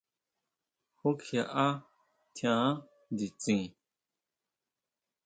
¿Jú kjiʼá tjián nditsin?